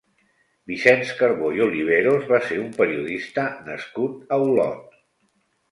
Vicenç Carbó i Oliveros va ser un periodista nascut a Olot.